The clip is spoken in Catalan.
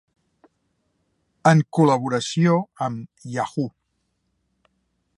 En col·laboració amb Yahoo!